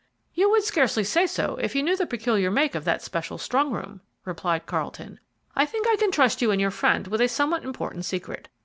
"You would scarcely say so if you knew the peculiar make of that special strong room," replied Carlton. "I think I can trust you and your friend with a somewhat important secret.